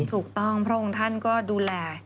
ถูกต้องพระองค์ท่านก็ดูแล